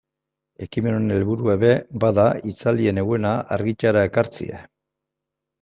Ekimen honen helburua ere bada itzalean zegoena argitara ekartzea.